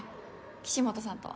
岸本さんとは。